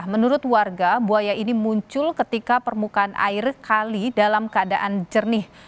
menurut warga buaya ini muncul ketika permukaan air kali dalam keadaan jernih